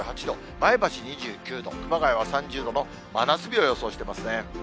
前橋２９度、熊谷は３０度の真夏日を予想してますね。